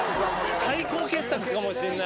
最高傑作かもしれない。